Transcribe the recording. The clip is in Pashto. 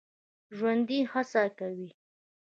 ژوندي هڅه کوي